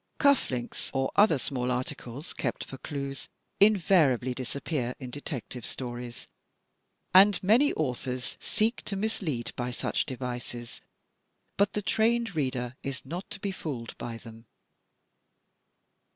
Cuff links, or other small articles kept for clues, invariably disappear in Detective Stories, and many authors seek to mislead by such devices, but the trained reader is not to be fooled by them.